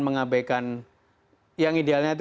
mengabaikan yang idealnya itu